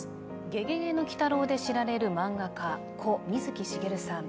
「ゲゲゲの鬼太郎」で知られる漫画家故・水木しげるさん